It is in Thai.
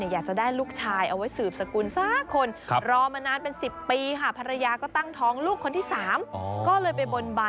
ยาวแค่ไหน